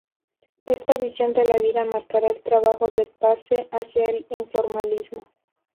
Esta visión de la vida marcará el trabajo de Pace hacia el informalismo.